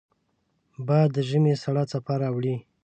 باد د ژمې سړه څپه راوړي